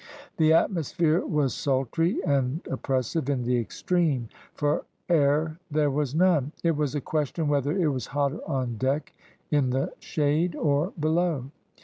The atmosphere was sultry and oppressive in the extreme, for air there was none. It was a question whether it was hotter on deck in the shade or below.